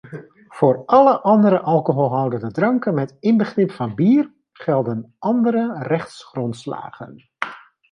Voor alle andere alcoholhoudende dranken met inbegrip van bier gelden andere rechtsgrondslagen.